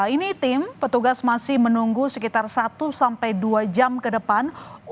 ini tim petugas masih menunggu sekitar satu sampai dua jam ke depan